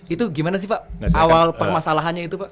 itu gimana sih pak awal permasalahannya itu pak